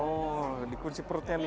oh dikunci perutnya nih ya